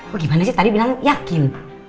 oh gimana sih tadi bilang yakin